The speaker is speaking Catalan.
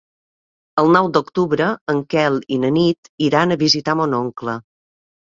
El nou d'octubre en Quel i na Nit iran a visitar mon oncle.